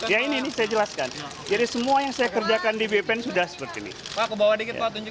ya ini saya jelaskan jadi semua yang saya kerjakan di bppn sudah seperti ini